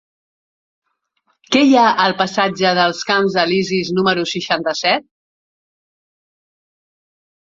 Què hi ha al passatge dels Camps Elisis número seixanta-set?